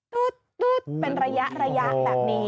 ตุ๊ดตุ๊ดเป็นระยะระยะแบบนี้